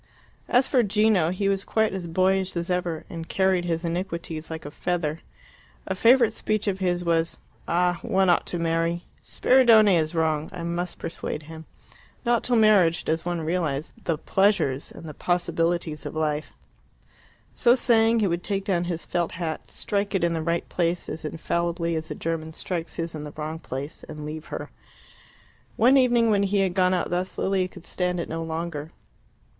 As for Gino, he was quite as boyish as ever, and carried his iniquities like a feather. A favourite speech of his was, "Ah, one ought to marry! Spiridione is wrong; I must persuade him. Not till marriage does one realize the pleasures and the possibilities of life." So saying, he would take down his felt hat, strike it in the right place as infallibly as a German strikes his in the wrong place, and leave her. One evening, when he had gone out thus, Lilia could stand it no longer.